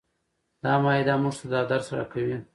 دا معاهده موږ ته دا درس راکوي.